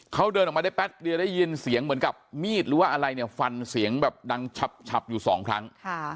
เขาเดินออกมาได้แป๊บเดียวได้ยินเสียงเหมือนกับมีดหรือว่าอะไรเนี่ยฟันเสียงแบบดังฉับอยู่สองครั้ง